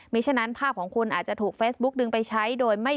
มีฉะนั้นภาพของคุณอาจจะถูกเฟซบุ๊กดึงไปใช้โดยไม่